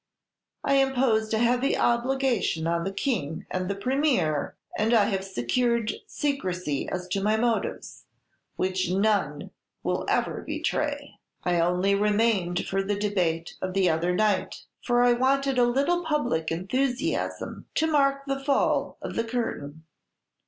I imposed a heavy obligation on the King and the Premier, and I have secured secrecy as to my motives, which none will ever betray. "I only remained for the debate of the other night, for I wanted a little public enthusiasm to mark the fall of the curtain."